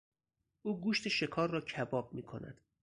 او گوشت شکار را کباب میکند.